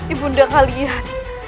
ibu dinda kalian